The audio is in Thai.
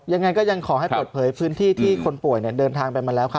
ยังไงก็ยังขอให้เปิดเผยพื้นที่ที่คนป่วยเดินทางไปมาแล้ว